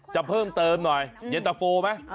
จะเพิ่มเติมหน่อยเย็นตะโฟไหม